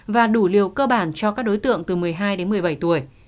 và đủ liều cơ bản cho các đối tượng từ một mươi hai đến một mươi bảy tuổi